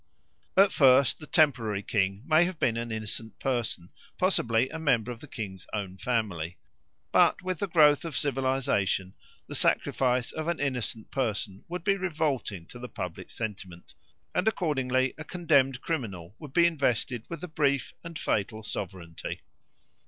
At first the temporary king may have been an innocent person, possibly a member of the king's own family; but with the growth of civilisation the sacrifice of an innocent person would be revolting to the public sentiment, and accordingly a condemned criminal would be invested with the brief and fatal sovereignty.